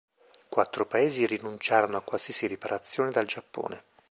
Quattro Paesi rinunciarono a qualsiasi riparazione dal Giappone.